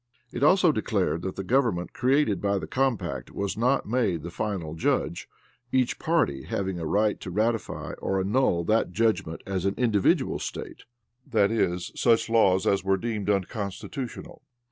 It also declared that the government created by the compact was not made the final judge, each party having a right to ratify or annul that judgment as an individual State, that is, such laws as were deemed unconstitutional.